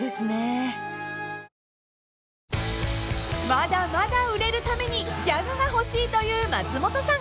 ［まだまだ売れるためにギャグが欲しいという松本さん］